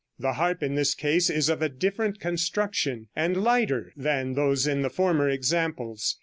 The harp in this case is of a different construction, and lighter than those in the former examples.